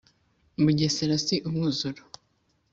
mugesera si umwuzuro